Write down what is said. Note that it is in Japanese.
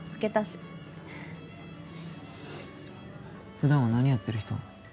ふだんは何やってる人？